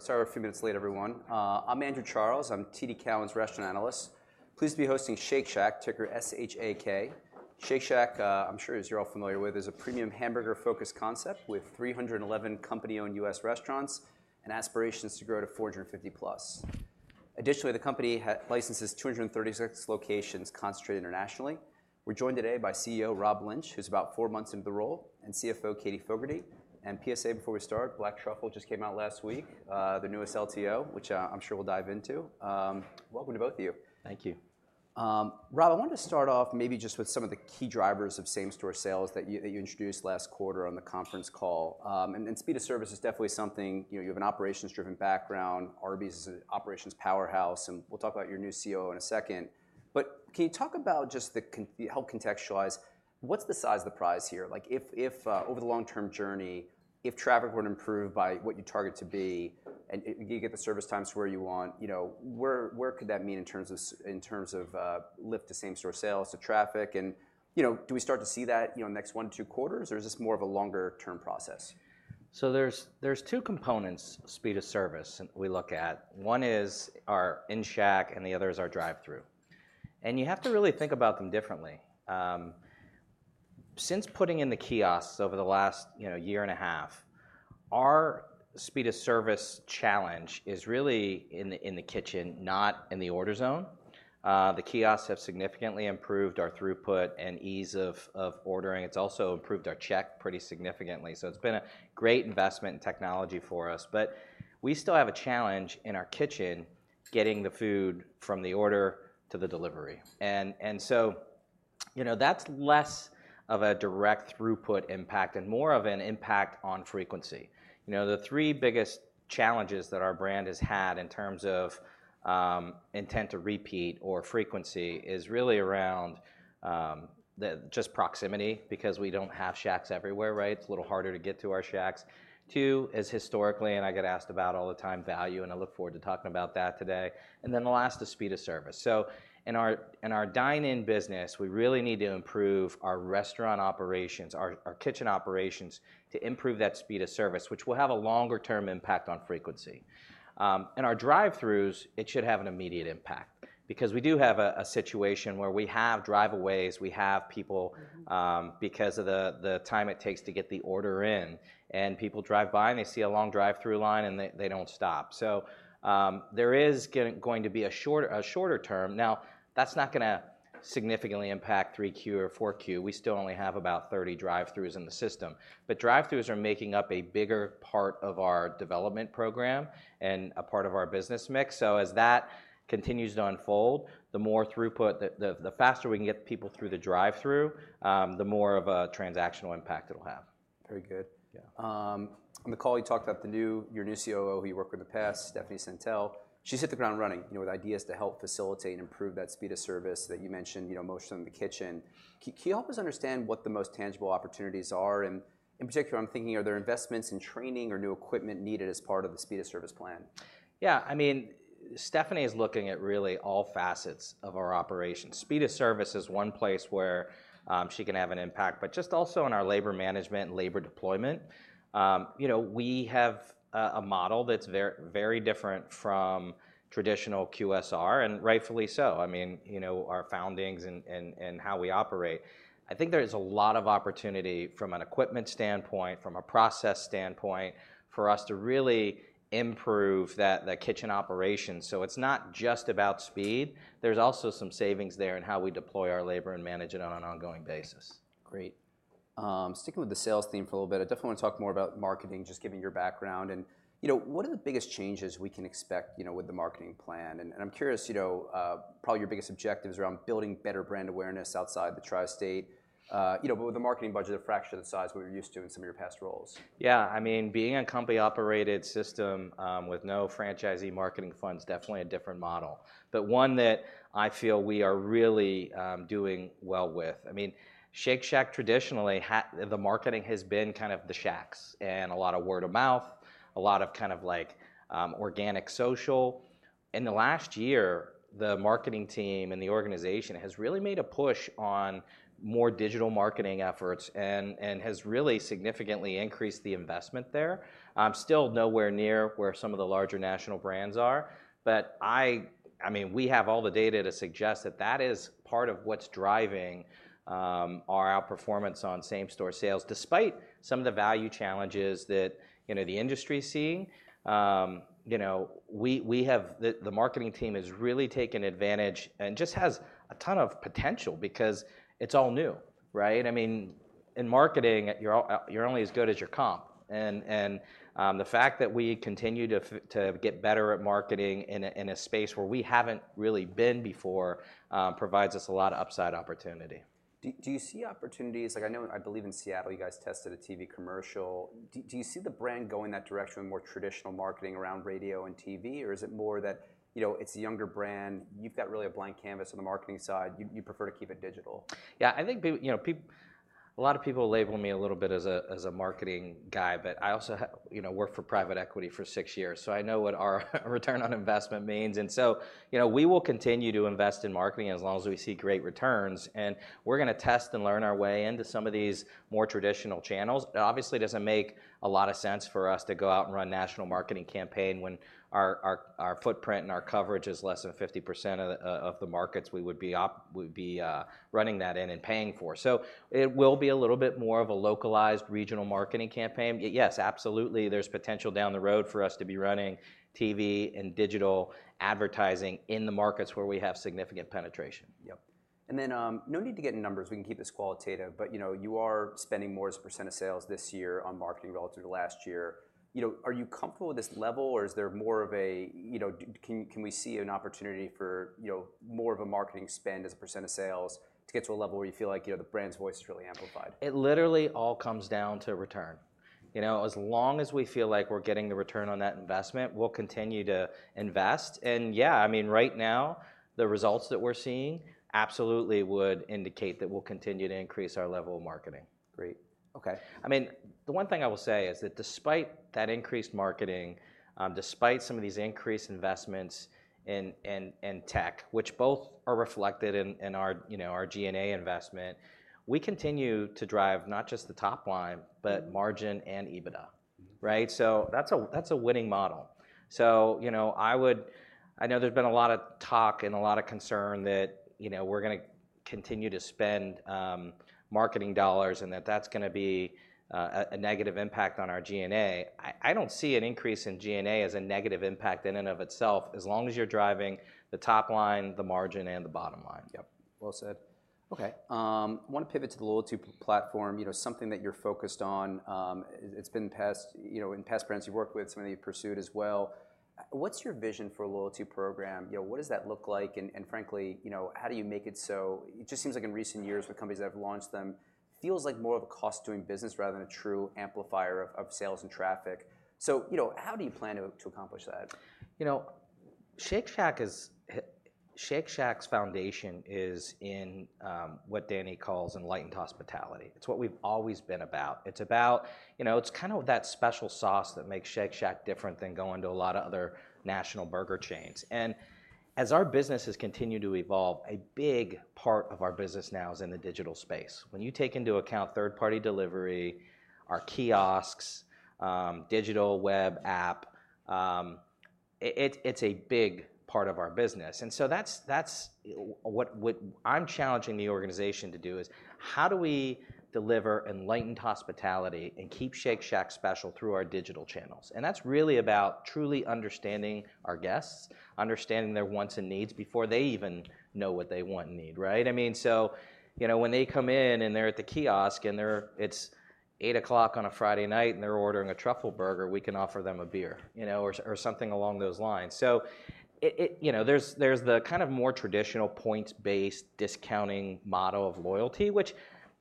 Sorry we're a few minutes late, everyone. I'm Andrew Charles. I'm TD Cowen's restaurant analyst. Pleased to be hosting Shake Shack, ticker S-H-A-K. Shake Shack, I'm sure as you're all familiar with, is a premium hamburger-focused concept with three hundred and eleven company-owned U.S. restaurants and aspirations to grow to four hundred and fifty plus. Additionally, the company licenses two hundred and thirty-six locations concentrated internationally. We're joined today by CEO Rob Lynch, who's about four months into the role, and CFO Katie Fogertey, and PSA before we start, Black Truffle just came out last week, the newest LTO, which, I'm sure we'll dive into. Welcome to both of you. Thank you. Rob, I wanted to start off maybe just with some of the key drivers of same-store sales that you introduced last quarter on the conference call, and speed of service is definitely something. You know, you have an operations-driven background. Arby's is an operations powerhouse, and we'll talk about your new COO in a second. But can you talk about just help contextualize what's the size of the prize here? Over the long-term journey, if traffic were to improve by what you target to be, and you get the service times where you want, you know, where could that mean in terms of lift to same-store sales, to traffic, and, you know, do we start to see that, you know, next one-to-two quarters, or is this more of a longer-term process? So there's two components of speed of service we look at. One is our in-Shack, and the other is our drive-thru. And you have to really think about them differently. Since putting in the kiosks over the last, you know, year and a half, our speed of service challenge is really in the kitchen, not in the order zone. The kiosks have significantly improved our throughput and ease of ordering. It's also improved our check pretty significantly, so it's been a great investment in technology for us. But we still have a challenge in our kitchen, getting the food from the order to the delivery. And so, you know, that's less of a direct throughput impact and more of an impact on frequency. The three biggest challenges that our brand has had in terms of intent to repeat or frequency is really around the just proximity, because we don't have Shacks everywhere, right? It's a little harder to get to our Shacks. Two is historically, and I get asked about all the time, value, and I look forward to talking about that today. Then the last is speed of service. So in our dine-in business, we really need to improve our restaurant operations, our kitchen operations, to improve that speed of service, which will have a longer-term impact on frequency. In our drive-thrus, it should have an immediate impact because we do have a situation where we have drive-aways. We have people because of the time it takes to get the order in, and people drive by, and they see a long drive-thru line, and they don't stop. So, there is going to be a shorter term. Now, that's not gonna significantly impact 3Q or 4Q. We still only have about thirty drive-thrus in the system. But drive-thrus are making up a bigger part of our development program and a part of our business mix. So as that continues to unfold, the more throughput, the faster we can get people through the drive-thru, the more of a transactional impact it'll have. Very good. Yeah. On the call, you talked about the new, your new COO, who you worked with in the past, Stephanie Sentell. She's hit the ground running, you know, with ideas to help facilitate and improve that speed of service that you mentioned, you know, mostly in the kitchen. Can you help us understand what the most tangible opportunities are? And in particular, I'm thinking, are there investments in training or new equipment needed as part of the speed of service plan? Stephanie is looking at really all facets of our operations. Speed of service is one place where she can have an impact, but just also in our labor management, labor deployment. You know, we have a model that's very different from traditional QSR, and rightfully so. I mean, you know, our foundings and how we operate. I think there is a lot of opportunity from an equipment standpoint, from a process standpoint, for us to really improve that, the kitchen operations. So it's not just about speed, there's also some savings there in how we deploy our labor and manage it on an ongoing basis. Great. Sticking with the sales theme for a little bit, I definitely want to talk more about marketing, just given your background and, you know, what are the biggest changes we can expect, you know, with the marketing plan? And I'm curious, you know, probably your biggest objectives around building better brand awareness outside the Tri-State, you know, but with the marketing budget a fraction of the size what you're used to in some of your past roles. I mean, being a company-operated system, with no franchisee marketing funds, definitely a different model, but one that I feel we are really, doing well with. I mean, Shake Shack, traditionally, the marketing has been kind of the Shacks and a lot of word of mouth, a lot of kind of like, organic social. In the last year, the marketing team and the organization has really made a push on more digital marketing efforts and, and has really significantly increased the investment there. Still nowhere near where some of the larger national brands are, but I... I mean, we have all the data to suggest that that is part of what's driving, our outperformance on same-store sales. Despite some of the value challenges that, you know, the industry is seeing, you know, we have the marketing team has really taken advantage and just has a ton of potential because it's all new, right? I mean, in marketing, you're only as good as your comp, and the fact that we continue to get better at marketing in a space where we haven't really been before, provides us a lot of upside opportunity. Do you see opportunities? Like, I know, I believe in Seattle, you guys tested a TV commercial. Do you see the brand going that direction, more traditional marketing around radio and TV, or is it more that, you know, it's a younger brand, you've got really a blank canvas on the marketing side, you prefer to keep it digital? I think people you know. A lot of people label me a little bit as a, as a marketing guy, but I also have you know, worked for private equity for six years, so I know what our return on investment means. And so, you know, we will continue to invest in marketing as long as we see great returns, and we're gonna test and learn our way into some of these more traditional channels. It obviously doesn't make a lot of sense for us to go out and run national marketing campaign when our footprint and our coverage is less than 50% of the markets we would be running that in and paying for. So it will be a little bit more of a localized regional marketing campaign. Yes, absolutely, there's potential down the road for us to be running TV and digital advertising in the markets where we have significant penetration. Yep. And then, no need to get into numbers, we can keep this qualitative, but you know, you are spending more as a % of sales this year on marketing relative to last year. You know, are you comfortable with this level, or is there more of a, you know, can we see an opportunity for, you know, more of a marketing spend as a % of sales to get to a level where you feel like, you know, the brand's voice is really amplified? It literally all comes down to return. You know, as long as we feel like we're getting the return on that investment, we'll continue to invest. And yeah, I mean, right now, the results that we're seeing absolutely would indicate that we'll continue to increase our level of marketing. Great, okay. I mean, the one thing I will say is that despite that increased marketing, despite some of these increased investments in tech, which both are reflected in our, you know, our G&A investment, we continue to drive not just the top line, but margin and EBITDA, right? So that's a winning model. So, you know, I know there's been a lot of talk and a lot of concern that, you know, we're gonna continue to spend marketing dollars, and that's gonna be a negative impact on our G&A. I don't see an increase in G&A as a negative impact in and of itself, as long as you're driving the top line, the margin, and the bottom line. Well said. Okay, I wanna pivot to the loyalty platform, you know, something that you're focused on. It's been in the past, you know, in past brands you've worked with, some that you've pursued as well. What's your vision for a loyalty program? You know, what does that look like, and frankly, you know, how do you make it so. It just seems like in recent years with companies that have launched them, it feels like more of a cost of doing business rather than a true amplifier of sales and traffic. So, you know, how do you plan to accomplish that? You know, Shake Shack is Shake Shack's foundation is in what Danny calls Enlightened Hospitality. It's what we've always been about. It's about, you know, it's kind of that special sauce that makes Shake Shack different than going to a lot of other national burger chains. And as our business has continued to evolve, a big part of our business now is in the digital space. When you take into account third-party delivery, our kiosks, digital web app, it, it's a big part of our business. And so that's what I'm challenging the organization to do is, how do we deliver Enlightened Hospitality and keep Shake Shack special through our digital channels? And that's really about truly understanding our guests, understanding their wants and needs before they even know what they want and need, right? I mean, so, you know, when they come in and they're at the kiosk, and it's 8:00 P.M. on a Friday night, and they're ordering a Truffle Burger, we can offer them a beer, you know, or something along those lines. So, you know, there's the kind of more traditional points-based discounting model of loyalty, which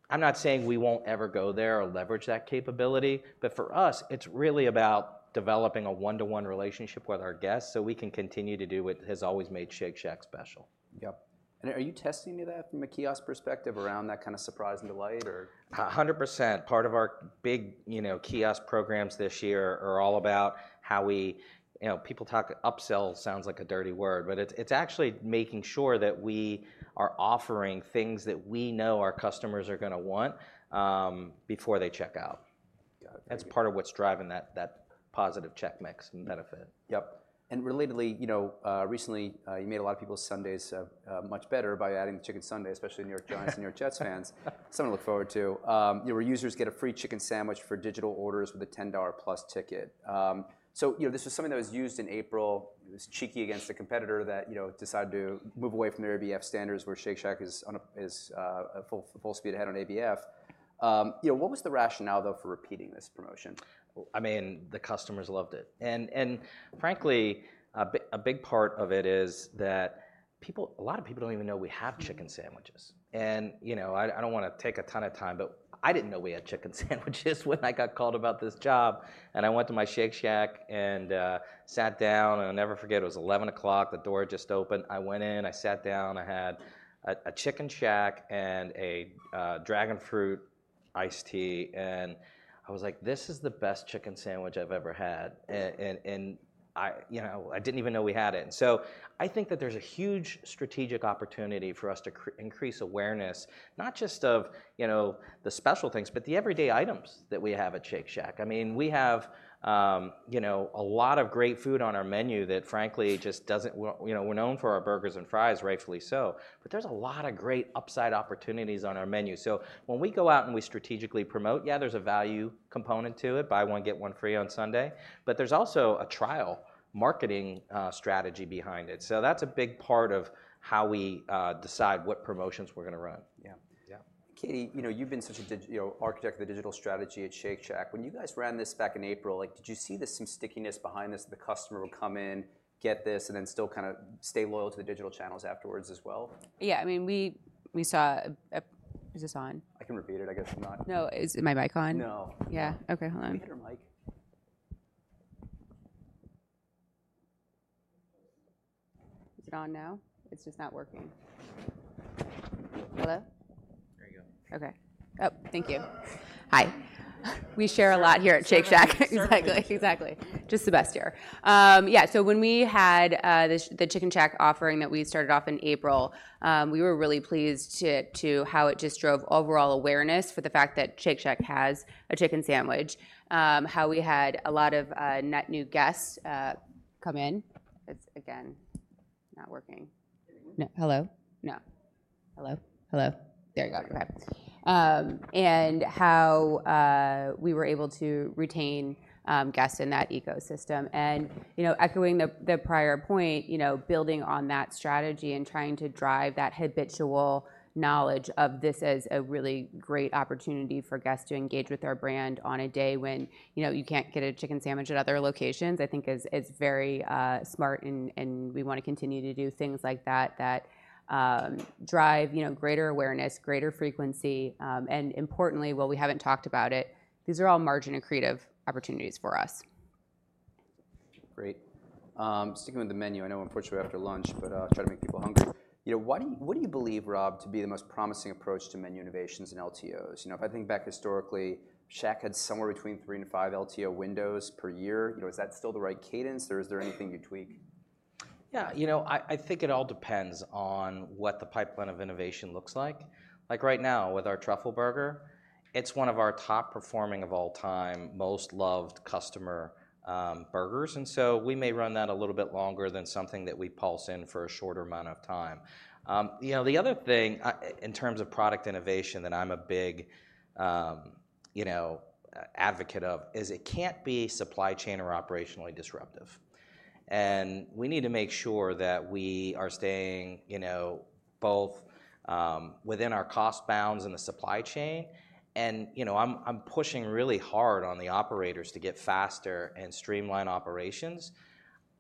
I'm not saying we won't ever go there or leverage that capability, but for us, it's really about developing a one-to-one relationship with our guests so we can continue to do what has always made Shake Shack special. Yep. And are you testing any of that from a kiosk perspective around that kind of surprise and delight or? 100%. Part of our big, you know, kiosk programs this year are all about how we... You know, people talk, upsell sounds like a dirty word, but it's, it's actually making sure that we are offering things that we know our customers are gonna want, before they check out. Got it. That's part of what's driving that, that positive check mix and benefit. Yep, and relatedly, you know, recently you made a lot of people's Sundays much better by adding the chicken sandwich, especially New York Giants and New York Jets fans. Something to look forward to. Your users get a free chicken sandwich for digital orders with a $10 plus ticket. So, you know, this was something that was used in April. It was cheeky against a competitor that, you know, decided to move away from their ABF standards, where Shake Shack is full speed ahead on ABF. You know, what was the rationale, though, for repeating this promotion? I mean, the customers loved it, and frankly, a big part of it is that a lot of people don't even know we have chicken sandwiches, and you know, I don't wanna take a ton of time, but I didn't know we had chicken sandwiches when I got called about this job, and I went to my Shake Shack and sat down, and I'll never forget, it was 11:00 A.M. The door had just opened. I went in, I sat down, I had a Chicken Shack and a Dragon Fruit Iced Tea, and I was like: This is the best chicken sandwich I've ever had, and, you know, I didn't even know we had it. And so I think that there's a huge strategic opportunity for us to increase awareness, not just of, you know, the special things, but the everyday items that we have at Shake Shack. I mean, we have, you know, a lot of great food on our menu that frankly just doesn't, you know, we're known for our burgers and fries, rightfully so, but there's a lot of great upside opportunities on our menu. So when we go out and we strategically promote, yeah, there's a value component to it, buy one, get one free on Sunday, but there's also a trial marketing strategy behind it. So that's a big part of how we decide what promotions we're gonna run. Yeah. Yeah. Katie, you know, you've been such a big architect of the digital strategy at Shake Shack. When you guys ran this back in April, like, did you see the same stickiness behind this, that the customer would come in, get this, and then still kind of stay loyal to the digital channels afterwards as well? Yeah, I mean, we saw a... Is this on? I can repeat it, I guess, if not. No. Is my mic on? No. Yeah. Okay, hold on. We hear mic.... on now, it's just not working. Hello? There you go. Okay. Oh, thank you. Ah. Hi. We share a lot here at Shake Shack. Certainly. Exactly. Just the best here. So when we had the Chicken Shack offering that we started off in April, we were really pleased to how it just drove overall awareness for the fact that Shake Shack has a chicken sandwich. How we had a lot of net new guests come in. It's, again, not working. Mm-hmm. and how we were able to retain guests in that ecosystem. And, you know, echoing the prior point, you know, building on that strategy and trying to drive that habitual knowledge of this as a really great opportunity for guests to engage with our brand on a day when, you know, you can't get a chicken sandwich at other locations, I think is very smart. And we wanna continue to do things like that that drive, you know, greater awareness, greater frequency. And importantly, while we haven't talked about it, these are all margin and creative opportunities for us. Great. Sticking with the menu, I know unfortunately we're after lunch, but, try to make people hungry. You know, what do you believe, Rob, to be the most promising approach to menu innovations and LTOs? You know, if I think back historically, Shack had somewhere between three and five LTO windows per year. You know, is that still the right cadence, or is there anything you'd tweak? You know, I think it all depends on what the pipeline of innovation looks like. Like right now, with our truffle burger, it's one of our top performing of all time, most loved customer burgers, and so we may run that a little bit longer than something that we pulse in for a shorter amount of time. You know, the other thing in terms of product innovation that I'm a big you know advocate of is it can't be supply chain or operationally disruptive. And we need to make sure that we are staying you know both within our cost bounds in the supply chain, and you know I'm pushing really hard on the operators to get faster and streamline operations.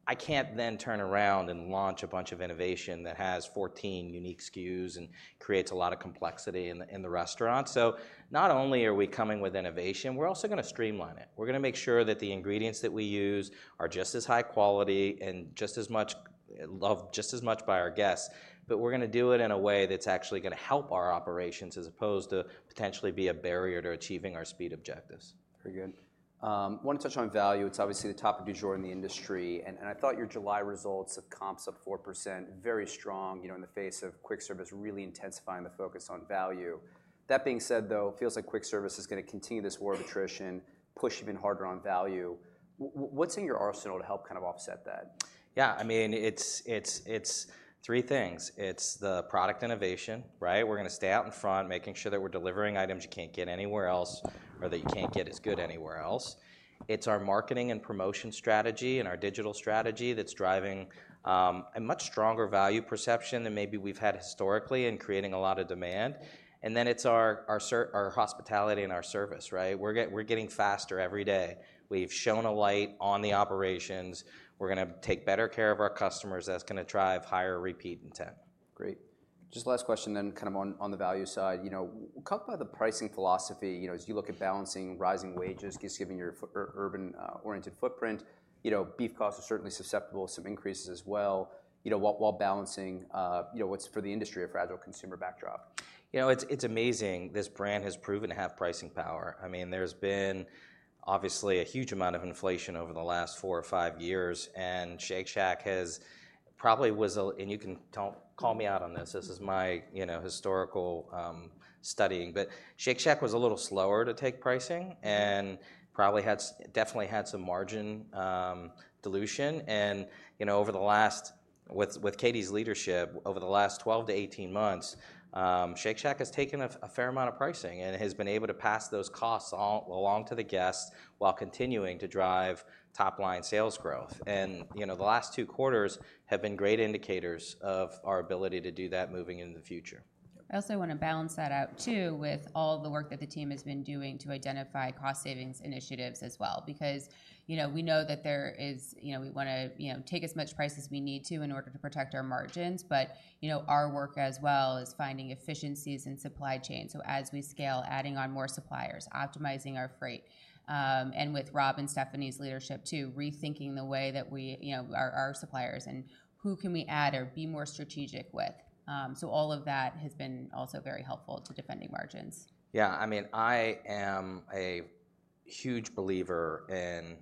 I can't then turn around and launch a bunch of innovation that has 14 unique SKUs and creates a lot of complexity in the restaurant, so not only are we coming with innovation, we're also gonna streamline it. We're gonna make sure that the ingredients that we use are just as high quality and just as much, loved just as much by our guests, but we're gonna do it in a way that's actually gonna help our operations, as opposed to potentially be a barrier to achieving our speed objectives. Very good. I wanna touch on value. It's obviously the topic du jour in the industry, and I thought your July results of comps up 4%, very strong, you know, in the face of quick service really intensifying the focus on value. That being said, though, it feels like quick service is gonna continue this war of attrition, push even harder on value. What's in your arsenal to help kind of offset that? I mean, it's three things: It's the product innovation, right? We're gonna stay out in front, making sure that we're delivering items you can't get anywhere else, or that you can't get as good anywhere else. It's our marketing and promotion strategy, and our digital strategy that's driving a much stronger value perception than maybe we've had historically in creating a lot of demand. And then it's our hospitality and our service, right? We're getting faster every day. We've shone a light on the operations. We're gonna take better care of our customers. That's gonna drive higher repeat intent. Great. Just last question then, kind of on the value side. You know, talk about the pricing philosophy, you know, as you look at balancing rising wages, given your urban oriented footprint. You know, beef costs are certainly susceptible to some increases as well, you know, while balancing what's for the industry, a fragile consumer backdrop. You know, it's amazing. This brand has proven to have pricing power. I mean, there's been obviously a huge amount of inflation over the last four or five years, and Shake Shack. You can tell, call me out on this. This is my, you know, historical studying, but Shake Shack was a little slower to take pricing, and probably definitely had some margin dilution, and you know, over the last with Katie's leadership, over the last 12 to 18 months, Shake Shack has taken a fair amount of pricing and has been able to pass those costs along to the guests, while continuing to drive top-line sales growth, and you know, the last two quarters have been great indicators of our ability to do that moving into the future. I also wanna balance that out too, with all the work that the team has been doing to identify cost savings initiatives as well. Because, you know, we know that there is... You know, we wanna, you know, take as much price as we need to in order to protect our margins. But, you know, our work as well is finding efficiencies in supply chain. So as we scale, adding on more suppliers, optimizing our freight, and with Rob and Stephanie's leadership too, rethinking the way that we, you know, our suppliers and who can we add or be more strategic with. So all of that has been also very helpful to defending margins. I mean, I am a huge believer in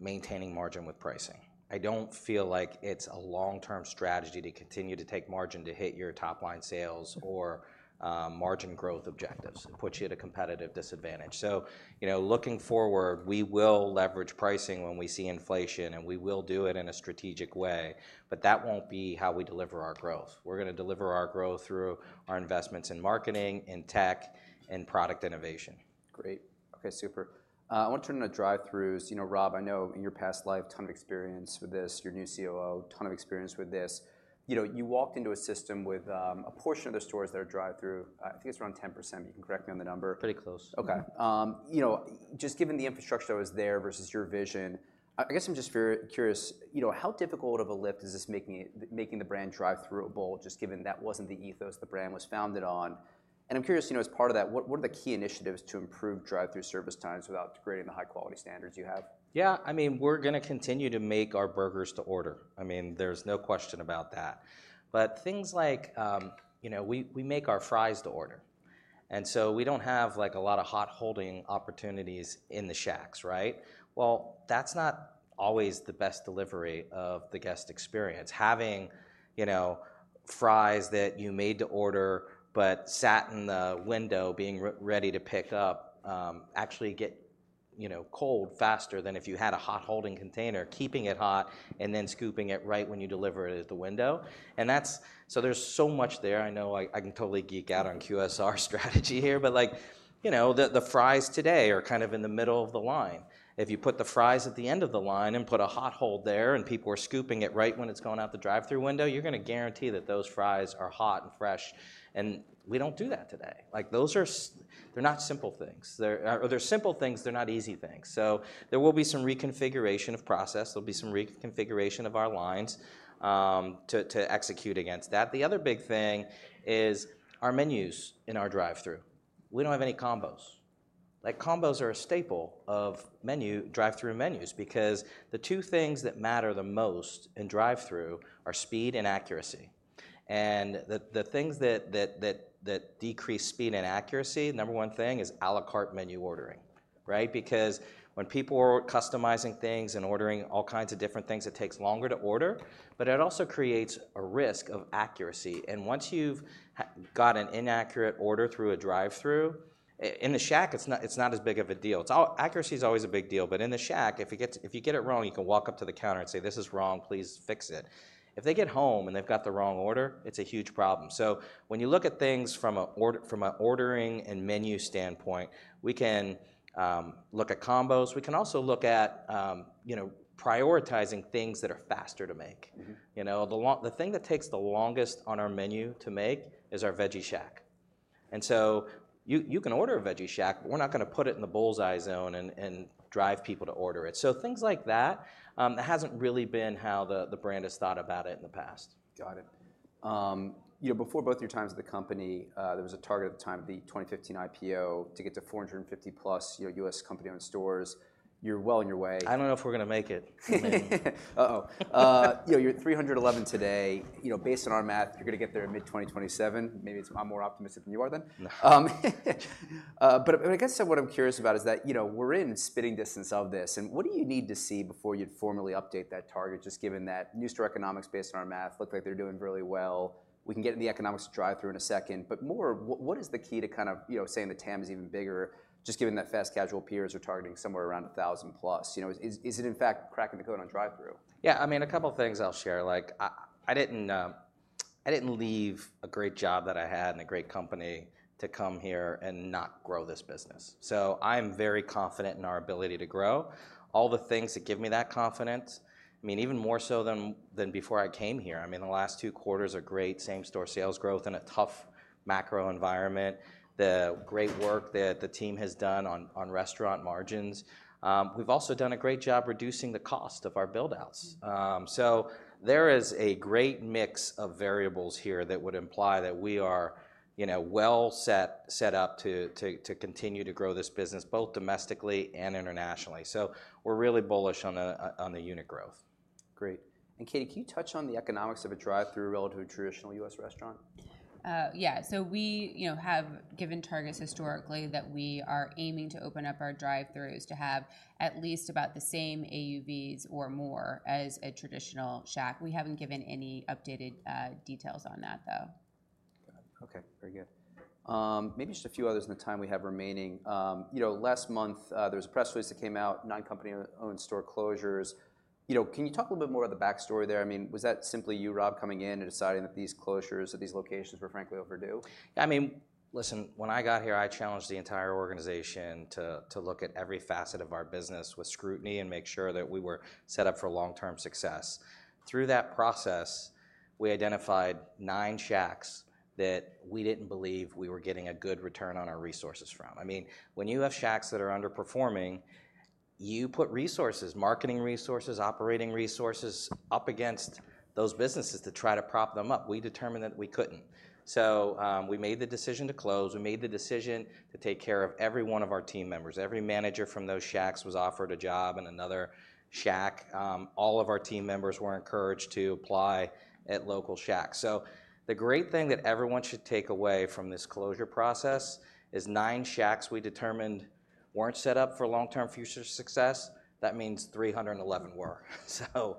maintaining margin with pricing. I don't feel like it's a long-term strategy to continue to take margin to hit your top-line sales or margin growth objectives. It puts you at a competitive disadvantage. So, you know, looking forward, we will leverage pricing when we see inflation, and we will do it in a strategic way, but that won't be how we deliver our growth. We're gonna deliver our growth through our investments in marketing, in tech, and product innovation. Great. Okay, super. I want to turn to drive-thrus. You know, Rob, I know in your past life, ton of experience with this. Your new COO, ton of experience with this. You know, you walked into a system with a portion of the stores that are drive-thru. I think it's around 10%, but you can correct me on the number. Pretty close. Okay. You know, just given the infrastructure that was there versus your vision, I guess I'm just curious, you know, how difficult of a lift is this, making the brand drive-thruable, just given that wasn't the ethos the brand was founded on? And I'm curious, you know, as part of that, what are the key initiatives to improve drive-thru service times without degrading the high quality standards you have? I mean, we're gonna continue to make our burgers to order. I mean, there's no question about that, but things like, you know, we make our fries to order, and so we don't have, like, a lot of hot holding opportunities in the Shacks, right? That's not always the best delivery of the guest experience. Having, you know, fries that you made to order, but sat in the window being ready to pick up, actually get you know, cold faster than if you had a hot holding container, keeping it hot, and then scooping it right when you deliver it at the window. And that's so there's so much there. I know I can totally geek out on QSR strategy here, but like, you know, the, the fries today are kind of in the middle of the line. If you put the fries at the end of the line and put a hot hold there, and people are scooping it right when it's going out the drive-thru window, you're gonna guarantee that those fries are hot and fresh, and we don't do that today. Like, those are. They're not simple things. They're, or they're simple things, they're not easy things, so there will be some reconfiguration of process. There'll be some reconfiguration of our lines to execute against that. The other big thing is our menus in our drive-thru. We don't have any combos. Like, combos are a staple of menu, drive-thru menus because the two things that matter the most in drive-thru are speed and accuracy, and the things that decrease speed and accuracy, number one thing is à la carte menu ordering, right? Because when people are customizing things and ordering all kinds of different things, it takes longer to order, but it also creates a risk of accuracy. And once you've got an inaccurate order through a drive-thru, in the Shack, it's not as big of a deal. It's accuracy is always a big deal, but in the Shack, if you get it wrong, you can walk up to the counter and say, "This is wrong. Please fix it." If they get home and they've got the wrong order, it's a huge problem. So when you look at things from an order, from an ordering and menu standpoint, we can look at combos. We can also look at, you know, prioritizing things that are faster to make. You know, the thing that takes the longest on our menu to make is our Veggie Shack. And so you can order a Veggie Shack, but we're not gonna put it in the bull's-eye zone and drive people to order it. So things like that that hasn't really been how the brand has thought about it in the past. Got it. You know, before both of your times at the company, there was a target at the time, the 2015 IPO, to get to 450-plus, you know, U.S. company-owned stores. You're well on your way. I don't know if we're gonna make it. You know, you're at three hundred and eleven today. You know, based on our math, you're gonna get there in mid-2027. Maybe it's- I'm more optimistic than you are, then. No. What I'm curious about is that, you know, we're in spitting distance of this, and what do you need to see before you'd formally update that target, just given that new store economics, based on our math, look like they're doing really well? We can get in the economics of drive-thru in a second, but more, what is the key to kind of, you know, saying the TAM is even bigger, just given that fast casual peers are targeting somewhere around a thousand plus? You know, is it, in fact, cracking the code on drive-thru? I mean, a couple things I'll share. Like, I, I didn't leave a great job that I had and a great company to come here and not grow this business, so I am very confident in our ability to grow. All the things that give me that confidence, I mean, even more so than before I came here, I mean, the last two quarters are great. Same-store sales growth in a tough macro environment, the great work that the team has done on restaurant margins. We've also done a great job reducing the cost of our build-outs. So there is a great mix of variables here that would imply that we are, you know, well set up to continue to grow this business, both domestically and internationally. So we're really bullish on the unit growth. Great. And Katie, can you touch on the economics of a drive-thru relative to a traditional U.S. restaurant? So we, you know, have given targets historically that we are aiming to open up our drive-thrus to have at least about the same AUVs or more as a traditional Shack. We haven't given any updated details on that, though. Got it. Okay, very good. Maybe just a few others in the time we have remaining. You know, last month, there was a press release that came out, nine company-owned store closures. You know, can you talk a little bit more of the backstory there? I mean, was that simply you, Rob, coming in and deciding that these closures at these locations were frankly overdue? I mean, listen, when I got here, I challenged the entire organization to look at every facet of our business with scrutiny and make sure that we were set up for long-term success. Through that process, we identified nine Shacks that we didn't believe we were getting a good return on our resources from. I mean, when you have Shacks that are underperforming, you put resources, marketing resources, operating resources, up against those businesses to try to prop them up. We determined that we couldn't, so we made the decision to close. We made the decision to take care of every one of our team members. Every manager from those Shacks was offered a job in another Shack. All of our team members were encouraged to apply at local Shacks. So the great thing that everyone should take away from this closure process is nine Shacks we determined weren't set up for long-term future success, that means three hundred and eleven were. So,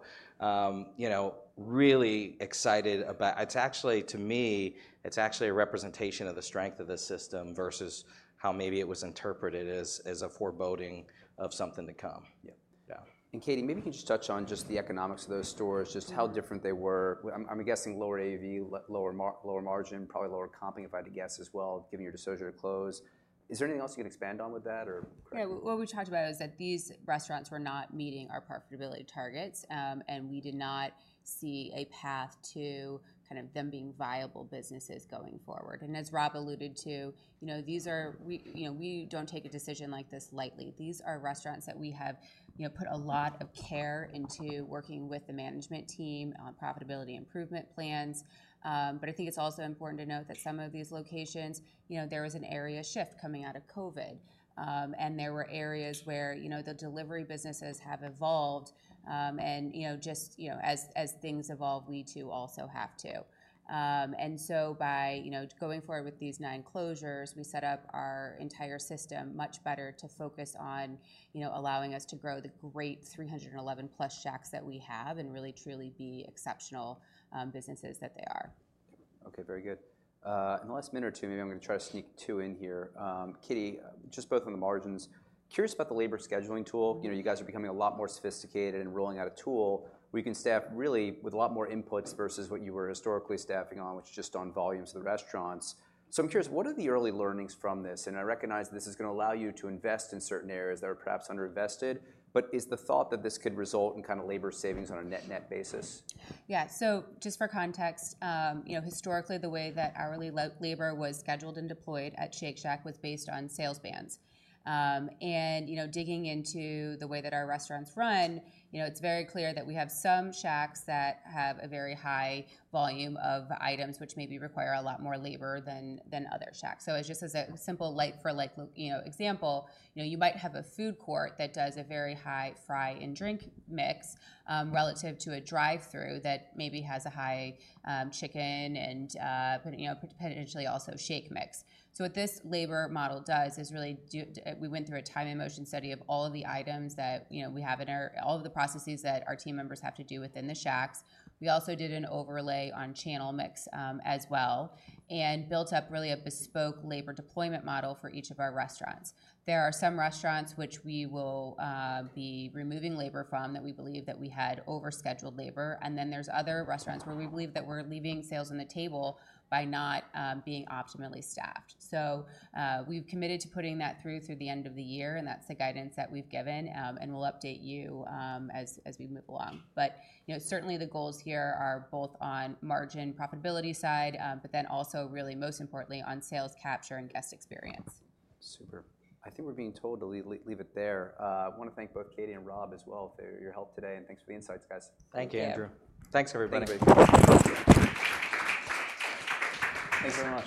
you know, really excited about... It's actually, to me, it's actually a representation of the strength of the system versus how maybe it was interpreted as a foreboding of something to come. Yeah. Yeah. Katie, maybe can you just touch on just the economics of those stores- Sure Just how different they were? I'm guessing lower AUV, lower margin, probably lower comping, if I had to guess as well, given your decision to close. Is there anything else you can expand on with that or correct me? What we talked about is that these restaurants were not meeting our profitability targets, and we did not see a path to kind of them being viable businesses going forward, and as Rob alluded to, you know, these, we, you know, we don't take a decision like this lightly. These are restaurants that we have, you know, put a lot of care into working with the management team on profitability improvement plans, but I think it's also important to note that some of these locations, you know, there was an area shift coming out of COVID, and there were areas where, you know, the delivery businesses have evolved, and, you know, just, you know, as things evolve, we too also have to. And so by, you know, going forward with these nine closures, we set up our entire system much better to focus on, you know, allowing us to grow the great 311-plus Shacks that we have and really, truly be exceptional businesses that they are. Okay, very good. In the last minute or two, maybe I'm gonna try to sneak two in here. Katie, just both on the margins, curious about the labor scheduling tool. You know, you guys are becoming a lot more sophisticated in rolling out a tool where you can staff really with a lot more inputs versus what you were historically staffing on, which is just on volumes of the restaurants. So I'm curious, what are the early learnings from this? And I recognize this is gonna allow you to invest in certain areas that are perhaps underinvested, but is the thought that this could result in kind of labor savings on a net-net basis? So just for context, you know, historically, the way that hourly labor was scheduled and deployed at Shake Shack was based on sales bands. And, you know, digging into the way that our restaurants run, you know, it's very clear that we have some Shacks that have a very high volume of items, which maybe require a lot more labor than other Shacks. So it's just as a simple, like, you know, example, you know, you might have a food court that does a very high fry and drink mix, relative to a drive-through that maybe has a high chicken and, you know, potentially also shake mix. So what this labor model does is really, we went through a time and motion study of all of the items that, you know, we have in our... All of the processes that our team members have to do within the Shacks. We also did an overlay on channel mix, as well, and built up really a bespoke labor deployment model for each of our restaurants. There are some restaurants which we will be removing labor from, that we believe that we had overscheduled labor, and then there's other restaurants where we believe that we're leaving sales on the table by not being optimally staffed. So, we've committed to putting that through the end of the year, and that's the guidance that we've given. And we'll update you, as we move along. But, you know, certainly the goals here are both on margin profitability side, but then also really most importantly, on sales capture and guest experience. Super. I think we're being told to leave it there. I wanna thank both Katie and Rob as well for your help today, and thanks for the insights, guys. Thank you. Thank you, Andrew. Thanks, everybody. Thank you. Thanks very much.